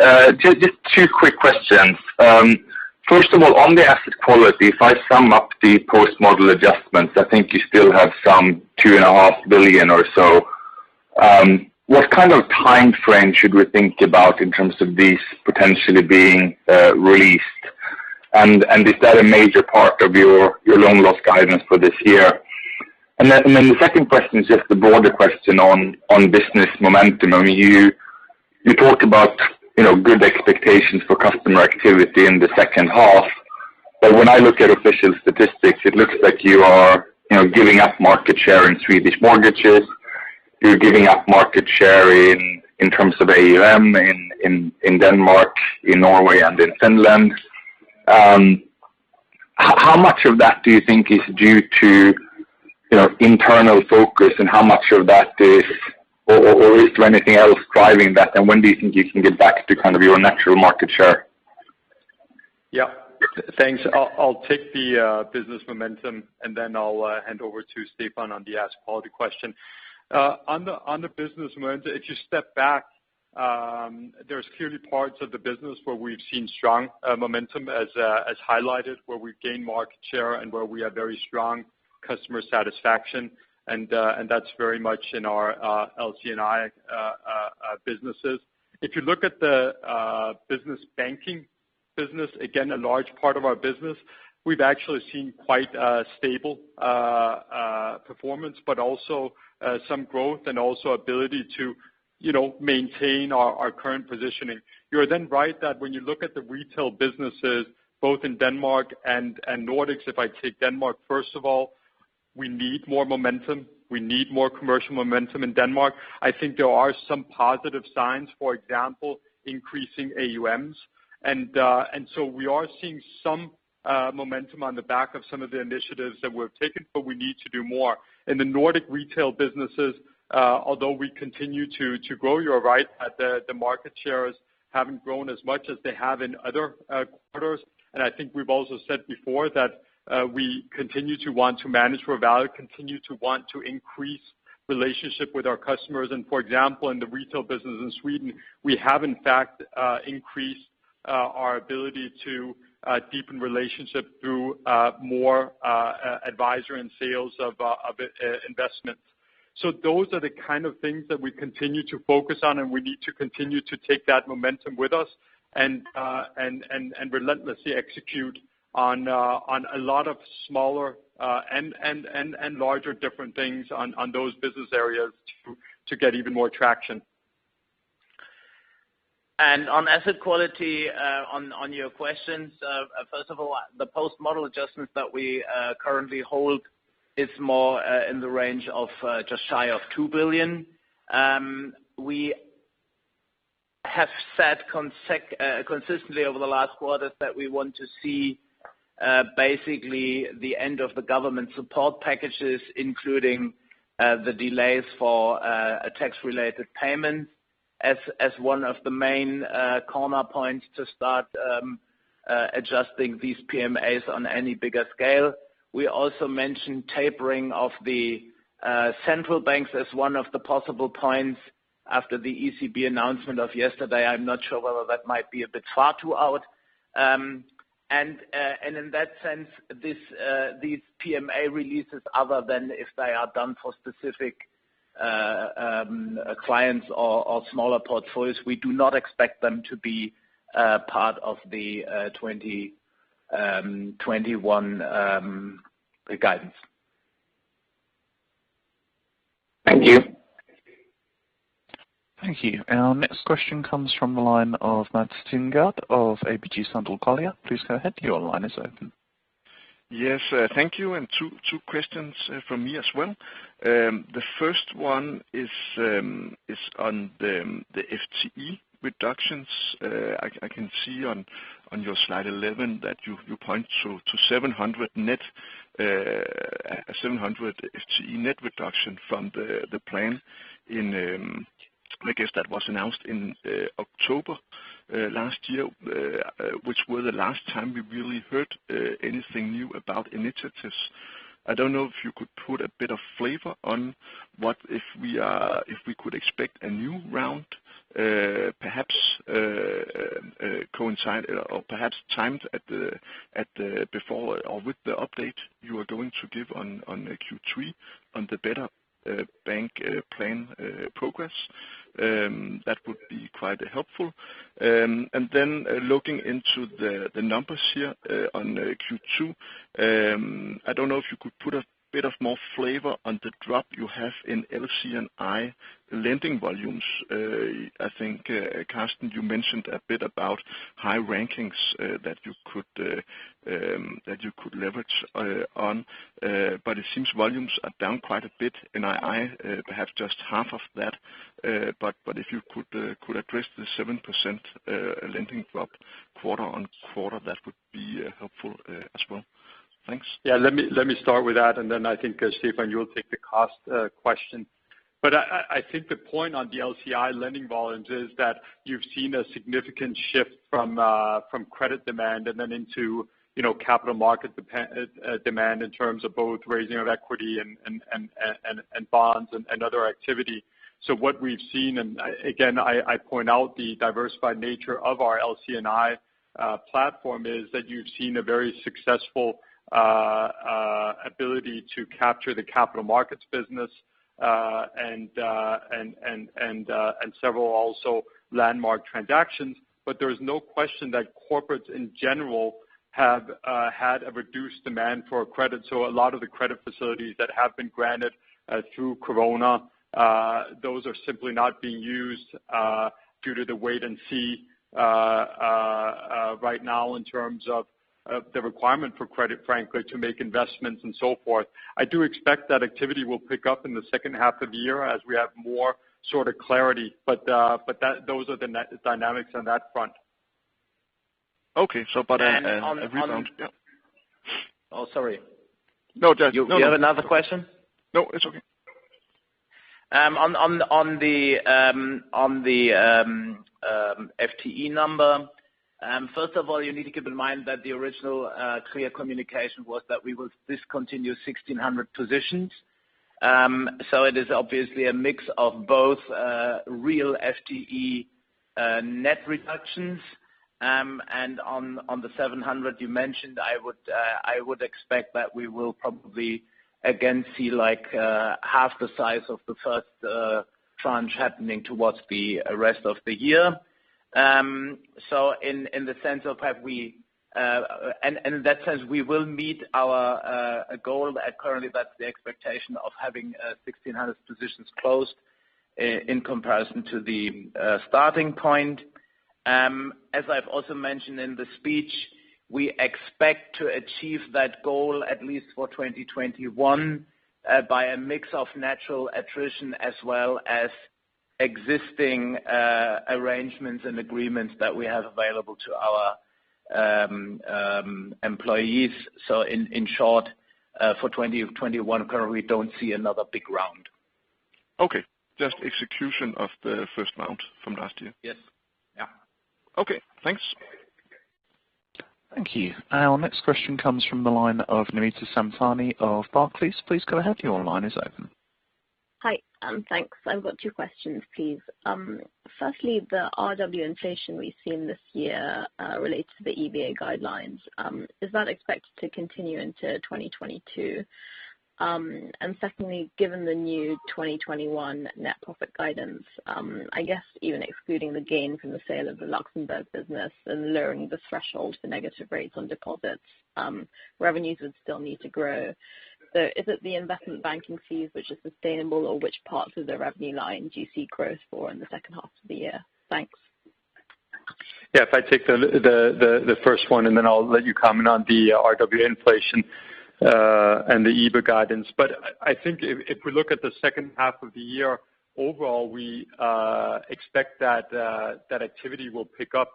Just two quick questions. First of all, on the asset quality, if I sum up the post-model adjustments, I think you still have some 2.5 billion or so. What kind of timeframe should we think about in terms of these potentially being released? Is that a major part of your loan loss guidance for this year? The second question is just the broader question on business momentum. You talked about good expectations for customer activity in the second half. When I look at official statistics, it looks like you are giving up market share in Swedish mortgages, you're giving up market share in terms of AUM in Denmark, in Norway, and in Finland. How much of that do you think is due to internal focus, or is there anything else driving that? When do you think you can get back to your natural market share? Yeah. Thanks. I'll take the business momentum. I'll hand over to Stephan on the asset quality question. On the business momentum, if you step back. There's clearly parts of the business where we've seen strong momentum as highlighted, where we've gained market share and where we have very strong customer satisfaction. That's very much in our LC&I businesses. If you look at the business banking business, again, a large part of our business, we've actually seen quite a stable performance, also some growth and ability to maintain our current positioning. You are right that when you look at the retail businesses, both in Denmark and Nordics, if I take Denmark, first of all, we need more momentum. We need more commercial momentum in Denmark. I think there are some positive signs, for example, increasing AUMs. We are seeing some momentum on the back of some of the initiatives that we've taken, but we need to do more. In the Nordic retail businesses, although we continue to grow, you are right that the market shares haven't grown as much as they have in other quarters. I think we've also said before that we continue to want to manage for value, continue to want to increase relationship with our customers. For example, in the retail business in Sweden, we have in fact increased our ability to deepen relationship through more advisor and sales of investments. Those are the kind of things that we continue to focus on, and we need to continue to take that momentum with us and relentlessly execute on a lot of smaller, and larger, different things on those business areas to get even more traction. On asset quality, on your questions, first of all, the post-model adjustments that we currently hold is more in the range of just shy of 2 billion. We have said consistently over the last quarters that we want to see basically the end of the government support packages, including the delays for tax-related payments as one of the main corner points to start adjusting these PMAs on any bigger scale. We also mentioned tapering of the central banks as one of the possible points after the ECB announcement of yesterday. I'm not sure whether that might be a bit far too out. In that sense, these PMA releases other than if they are done for specific clients or smaller portfolios, we do not expect them to be part of the 2021 guidance. Thank you. Thank you. Our next question comes from the line of Mads Thinggaard of ABG Sundal Collier. Please go ahead. Your line is open. Yes. Thank you. T questions from me as well. The first one is on the FTE reductions. I can see on your slide 11 that you point to 700 FTE net reduction from the plan in, I guess that was announced in October last year, which were the last time we really heard anything new about initiatives. I don't know if you could put a bit of flavor on what if we could expect a new round perhaps coincide or perhaps timed before or with the update you are going to give on Q3 on the Better Bank plan progress. That would be quite helpful. Looking into the numbers here on Q2, I don't know if you could put a bit of more flavor on the drop you have in LC&I lending volumes. I think, Carsten, you mentioned a bit about high rankings that you could leverage on, but it seems volumes are down quite a bit, and I have just half of that. If you could address the 7% lending drop quarter-on-quarter, that would be helpful as well. Thanks. Let me start with that. Then I think, Stephan, you'll take the cost question. I think the point on the LC&I lending volumes is that you've seen a significant shift from credit demand and then into capital market demand in terms of both raising of equity and bonds and other activity. What we've seen, and again, I point out the diversified nature of our LC&I platform, is that you've seen a very successful ability to capture the capital markets business, and several also landmark transactions. There is no question that corporates in general have had a reduced demand for credit. A lot of the credit facilities that have been granted through corona, those are simply not being used due to the wait and see right now in terms of the requirement for credit, frankly, to make investments and so forth. I do expect that activity will pick up in the second half of the year as we have more sort of clarity. Those are the net dynamics on that front. Okay. And on. Yeah. Oh, sorry. No. You have another question? No, it's okay. On the FTE number, first of all, you need to keep in mind that the original clear communication was that we will discontinue 1,600 positions. It is obviously a mix of both real FTE net reductions. On the 700 you mentioned, I would expect that we will probably again see half the size of the first tranche happening towards the rest of the year. In that sense, we will meet our goal. Currently, that's the expectation of having 1,600 positions closed in comparison to the starting point. As I've also mentioned in the speech, we expect to achieve that goal at least for 2021, by a mix of natural attrition as well as existing arrangements and agreements that we have available to our employees. In short, for 2021, currently we don't see another big round. Okay. Just execution of the first round from last year. Yes. Yeah. Okay. Thanks. Thank you. Our next question comes from the line of Namita Samtani of Barclays. Please go ahead. Your line is open. Hi. Thanks. I've got two questions, please. Firstly, the RWA inflation we've seen this year relates to the EBA guidelines. Is that expected to continue into 2022? Secondly, given the new 2021 net profit guidance, I guess even excluding the gain from the sale of the Luxembourg business and lowering the threshold for negative rates on deposits, revenues would still need to grow. Is it the investment banking fees which is sustainable, or which parts of the revenue line do you see growth for in the second half of the year? Thanks. Yeah. If I take the first one, and then I'll let you comment on the RWA inflation and the EBA guidance. I think if we look at the second half of the year, overall, we expect that activity will pick up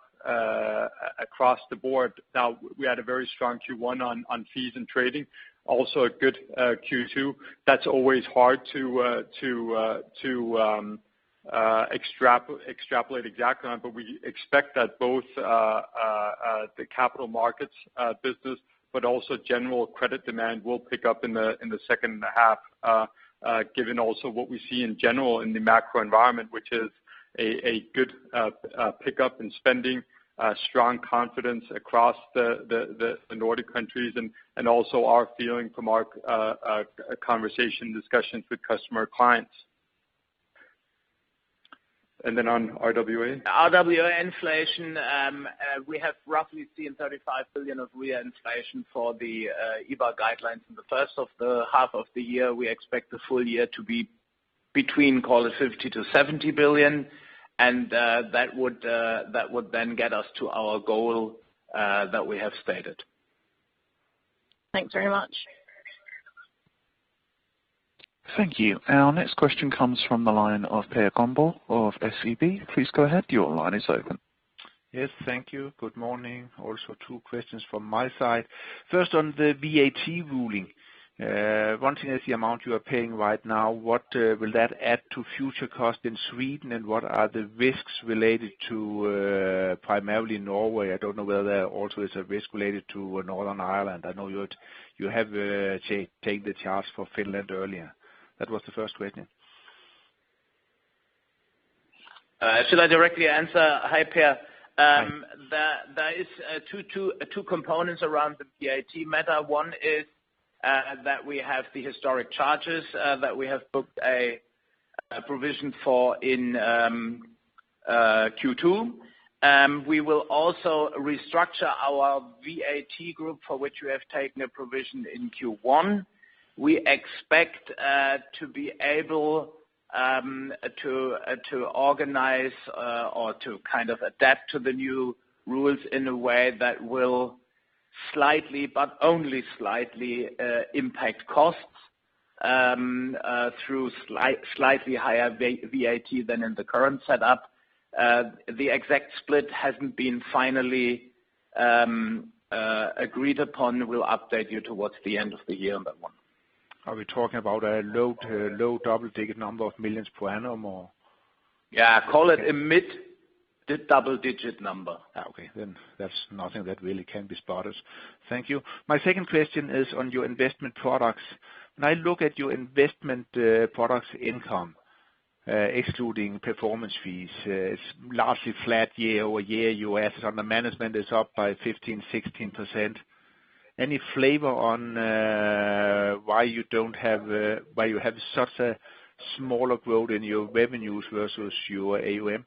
across the board. Now we had a very strong Q1 on fees and trading, also a good Q2. That's always hard to extrapolate exactly on. We expect that both the capital markets business, but also general credit demand will pick up in the second half, given also what we see in general in the macro environment, which is a good pickup in spending, strong confidence across the Nordic countries and also our feeling from our conversation discussions with customer clients. On RWA? RWA inflation, we have roughly seen 35 billion of RWA inflation for the EBA guidelines in the first of the half of the year. We expect the full year to be between, call it 50 billion-70 billion. That would then get us to our goal that we have stated. Thanks very much. Thank you. Our next question comes from the line of Per Grønborg of SEB. Please go ahead. Your line is open. Yes. Thank you. Good morning. Also two questions from my side. First, on the VAT ruling. One thing is the amount you are paying right now, what will that add to future costs in Sweden, and what are the risks related to primarily Norway? I don't know whether there also is a risk related to Northern Ireland. I know you have taken the charge for Finland earlier. That was the first question. Should I directly answer? Hi, Per. Hi. There is two components around the VAT matter. One is that we have the historic charges that we have booked a provision for in Q2. We will also restructure our VAT group, for which we have taken a provision in Q1. We expect to be able to organize or to kind of adapt to the new rules in a way that will slightly, but only slightly, impact costs through slightly higher VAT than in the current setup. The exact split hasn't been finally agreed upon. We'll update you towards the end of the year on that one. Are we talking about a low double-digit number of millions per annum or? Yeah. Call it a mid double-digit number. Okay. That's nothing that really can be spotted. Thank you. My second question is on your investment products. When I look at your investment products income, excluding performance fees, it's largely flat year-over-year. Your assets under management is up by 15%, 16%. Any flavor on why you have such a smaller growth in your revenues versus your AUM?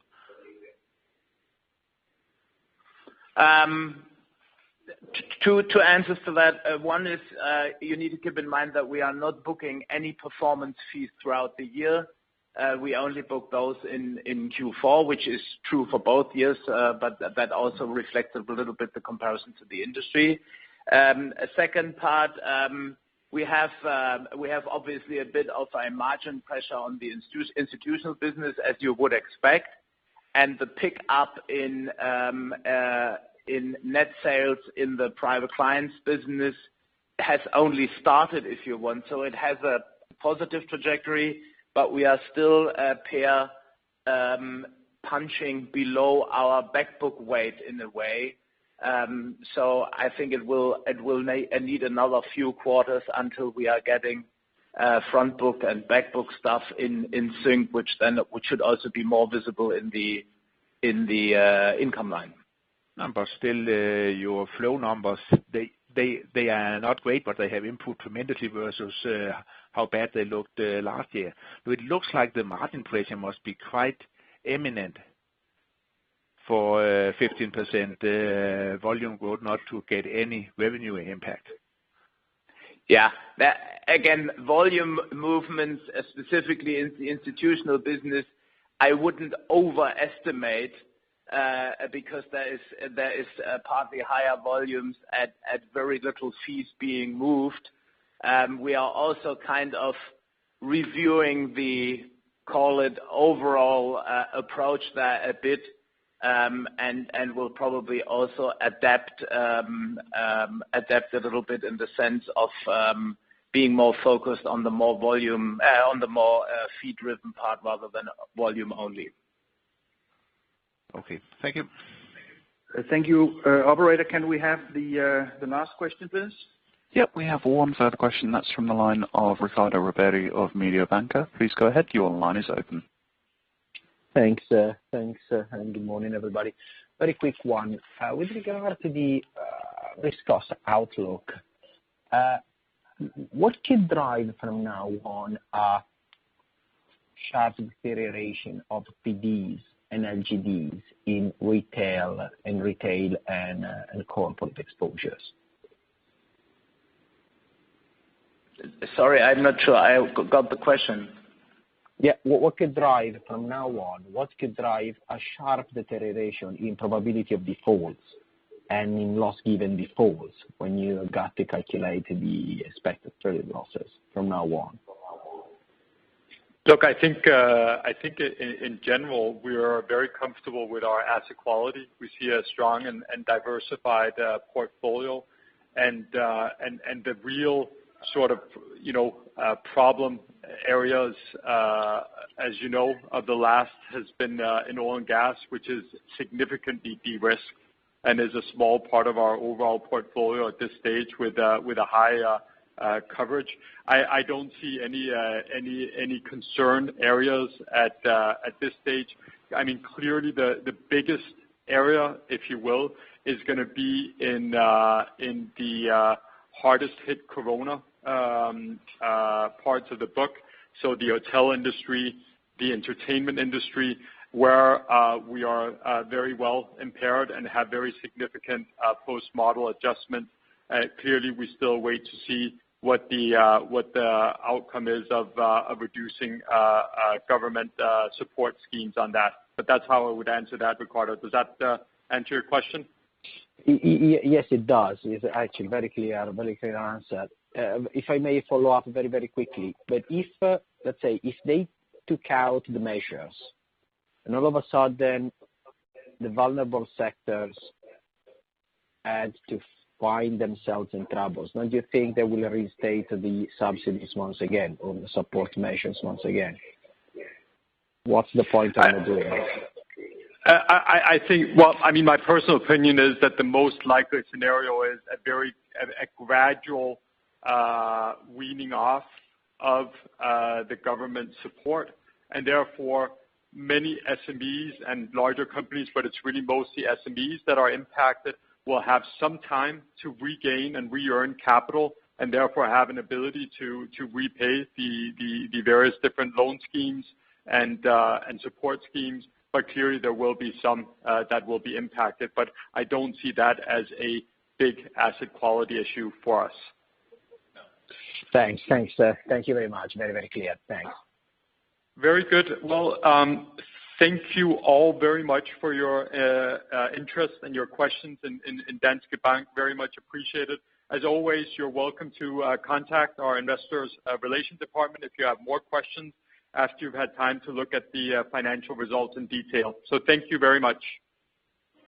Two answers to that. One is you need to keep in mind that we are not booking any performance fees throughout the year. We only book those in Q4, which is true for both years. That also reflects a little bit the comparison to the industry. Second part, we have obviously a bit of a margin pressure on the institutional business, as you would expect. The pickup in net sales in the private clients business has only started, if you want. It has a positive trajectory, but we are still punching below our back book weight in a way. I think it will need another few quarters until we are getting front book and back book stuff in sync, which should also be more visible in the income line. Still, your flow numbers, they are not great, but they have improved tremendously versus how bad they looked last year. It looks like the margin pressure must be quite imminent for 15% volume growth not to get any revenue impact. Yeah. Again, volume movements, specifically in the institutional business, I wouldn't overestimate because there is partly higher volumes at very little fees being moved. We are also kind of reviewing the, call it, overall approach there a bit, and will probably also adapt a little bit in the sense of being more focused on the more fee-driven part rather than volume only. Okay. Thank you. Thank you. Operator, can we have the last question, please? Yep. We have one further question, that is from the line of Riccardo Rovere of Mediobanca. Please go ahead. Your line is open. Thanks, sir. Good morning, everybody. Very quick one. With regard to the risk cost outlook, what could drive from now on a sharp deterioration of PDs and LGDs in retail and corporate exposures? Sorry, I'm not sure I got the question. Yeah. From now on, what could drive a sharp deterioration in Probability of Defaults and in Loss Given Defaults when you got to calculate the expected credit losses from now on? Look, I think in general, we are very comfortable with our asset quality. We see a strong and diversified portfolio. The real sort of problem areas, as you know, the last has been in oil and gas, which is significantly de-risked and is a small part of our overall portfolio at this stage with a high coverage. I don't see any concern areas at this stage. Clearly, the biggest area, if you will, is going to be in the hardest hit corona parts of the book. The hotel industry, the entertainment industry, where we are very well impaired and have very significant post-model adjustments. Clearly, we still wait to see what the outcome is of reducing government support schemes on that. That's how I would answer that, Riccardo. Does that answer your question? Yes, it does. It's actually a very clear answer. If I may follow up very quickly. Let's say, if they took out the measures and all of a sudden the vulnerable sectors had to find themselves in troubles. Don't you think they will reinstate the subsidies once again or the support measures once again? What's the point in doing this? My personal opinion is that the most likely scenario is a very gradual weaning off of the government support, and therefore many SMEs and larger companies, but it's really mostly SMEs that are impacted, will have some time to regain and re-earn capital, and therefore have an ability to repay the various different loan schemes and support schemes. Clearly, there will be some that will be impacted. I don't see that as a big asset quality issue for us. Thanks. Thank you very much. Very clear. Thanks. Very good. Well, thank you all very much for your interest and your questions in Danske Bank. Very much appreciated. As always, you're welcome to contact our Investor Relations department if you have more questions after you've had time to look at the financial results in detail. Thank you very much.